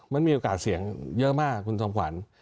มันมีโอกาสเสี่ยงเยอะมากคุณทราบควัน